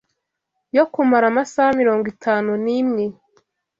yo kumara amasaha mirongo itanu nimwe